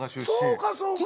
そうかそうか。